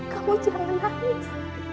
kamu jangan nangis